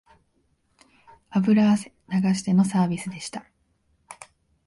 油汗流してのサービスでした